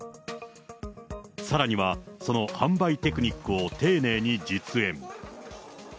さらにはその販売テクニックを丁寧に実演。